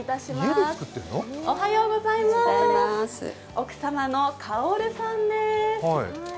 奥様のかおるさんです。